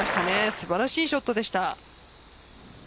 素晴らしいショットでした。